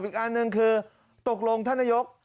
อีกอันหนึ่งคือตกลงท่านนายก